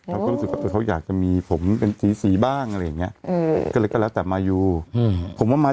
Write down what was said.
จริงดูว่านั้นนั่งเททได้ในรายการ